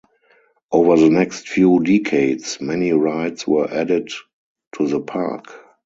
Over the next few decades, many rides were added to the park.